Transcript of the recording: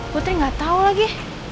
putri gak tau lagi